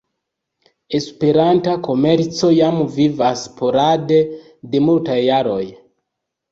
Esperanta komerco jam vivas sporade de multaj jaroj.